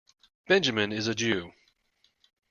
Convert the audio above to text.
Benjamin is a Jew.